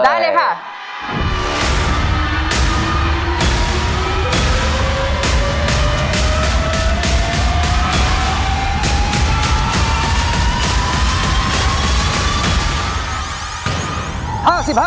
ได้เลยค่ะ